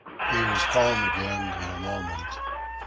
He was calm again in a moment.